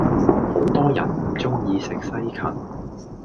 好多人唔鍾意食西芹